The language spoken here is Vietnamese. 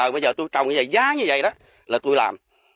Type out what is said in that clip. bây giờ tôi trồng giá như vậy đó là tôi làm